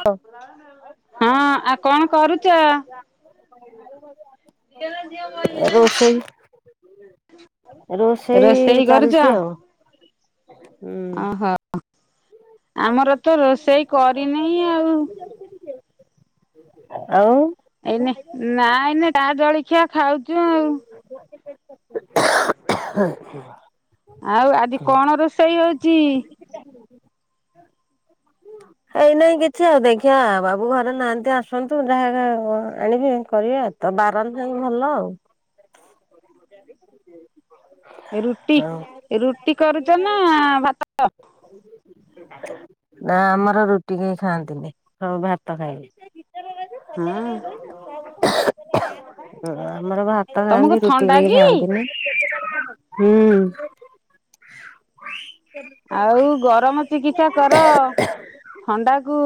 ହଁ ହଁ ଆ କଣ କରୁଚ? ଏ ରୋଷେଇ। ରୋଷେଇ ଚାଲିଚି ଆଉ ହୁଁ। ହଁ ଆମର ତ ରୋଷେଇ କରିନି ଆଉ। ଆଉ ଏଇନେ ନା ଏଇନେ ଚା ଜଳଖିଆ ଖାଉଛି। ଆ ଆଉ ଆଜି କଣ ରୋଷେଇ ହଉଚି? ହଁ ଏଇ ନାଇଁ କିଛି ଆଉ ଦେଖିଆ ବାବୁ ଘରେ ନାଆନ୍ତି ଆସନ୍ତୁ ଯାହାଗା ଆଣିବେ କରିବା। ତ ବାରନ୍ତୁ ଯାଇକି ଭଲ ଆଉ ରୁଟି ରୁଟି କରୁଚ ନା ଭାତ? ଆଉ ନା ଆମର ରୁଟି କେହି ଖାଆନ୍ତିନି ସବୁ ଭାତ ଖାଇବେ ହଁ ଉଁ ଆମର ଭା ତ ତମକୁ ଖାଆନ୍ତି ରୁଟି ଥଣ୍ଡା କେଇ କି? ଖାଇନ୍ତିିନି ହୁଁ ଆଉ ଗରମ ଚିକିତ୍ସା କର ଥଣ୍ଡାକୁ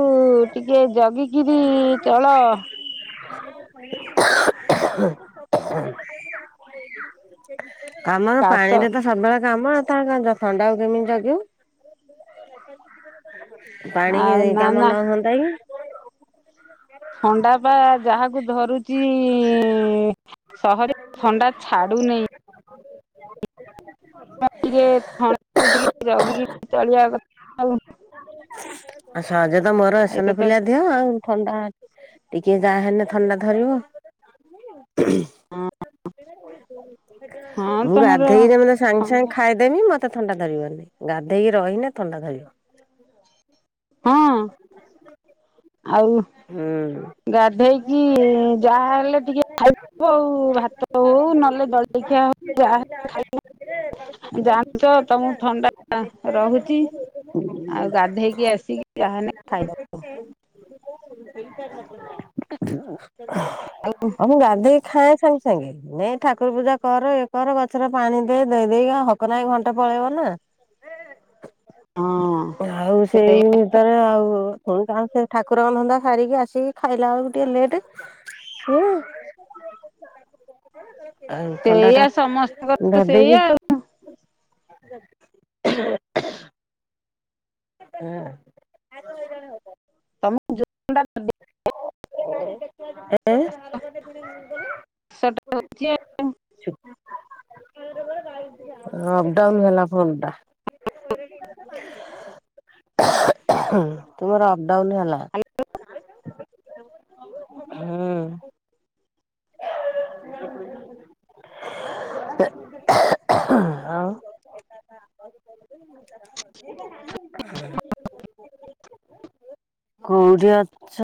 ଟିକେ ଜଗିକିରି ଚଳ। [inaudible] [inaudible] କାମର କାଶ ପାଣିରେ ତ ସବୁବେଳେ କାମ। [unintelligible] ଥଣ୍ଡାକୁ କେମିତି ଜଗିବ? ପାଣି ଆଉ ନା କାମ ନା ନ ହୁଅନ୍ତା କି? ଥଣ୍ଡା ପା ଯାହାକୁ ଧରୁଛି ସହ ଥଣ୍ଡା ଛାଡ଼ୁ ନହି। [inaudible] [unintelligible] ଆଉ ସହଜ ତ ମୋର ଏତେ ଏସନ ତ ଫୁଲିଆ ଦିହ ଆଉ। ଥଣ୍ଡା ଟିକେ ଯାହା ହେଲେ ଥଣ୍ଡା ଧରିବ। ହଁ [inaudible] ମୁଁ ତମର ଗାଧେଇଲେ ମାନେ ସାଙ୍ଗେ ସାଙ୍ଗେ ଥଣ୍ଡା ଖାଇ ଦେମି ମୋତେ ଥଣ୍ଡା ଧରିବନି ଗାଧେଇକି ରହିନେ ଥଣ୍ଡା ଧରିବ। ହଁ। [inaudible] ଆଉ। ହୁଁ। ଗାଧେଇକି ଯାହା ହେଲେ ଟିକେ ଖାଇବ ଆଉ ଭାତ ହଉ। ନହେଲେ ଜଳଖିଆ ଯାହା ହେଲେ ବି ଖାଇକିନା। ଥଣ୍ଡା ରହୁଛି [unintelligible] ଆଉ ଗାଧେଇକି ଆସିକି ଯାହାହେଲେ ଖାଇଦେବ। [inaudible] ଆଉ ମୁଁ ଗାଧେଇ ଖାଁ ସାଙ୍ଗେ ସାଙ୍ଗେ। ନାଇଁ ଠାକୁର ପୂଜା କର ଇଏ କର ଗଛରେ ପାଣି ଦେଇ ଦେଇ ଦେଇେଇକଉ ହକ ନାହି ଘଣ୍ଟା ପଳେଇବ ନା? ଆଉ ହଁ [unintelligible] ଆଉ ସେଇ ଭିତରେ ଆଉ ପୁଣି କ ସେ ଠାକୁ କର ଧନ୍ଦା ସାରିକି ଆସିକି ଖାଇଲା ବେଳକୁ ଟିକେ ଲେଟ୍ ହୁ। [inaudible] ଆଉ ସେଇଆ ଥଣ୍ଡାଟା ସମସ୍ତଙ୍କର ସେଇଆ ଧରିଦେଇଛିି। ଆଉ [inaudible] [unintelligible] [unintelligible] [unintelligible] [unintelligible] ଅପଡାଉନ୍ ହେଲା ଫୋନଟା। [inaudible] ତୁମର ଅପଡାଉନ ହେଲା। [inaudible] ହୁଁ। [inaudible] [unintelligible] [unintelligible] କୋଉଠି ଅଛ?